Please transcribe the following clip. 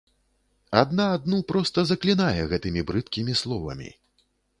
Адна адну проста заклінае гэтымі брыдкімі словамі.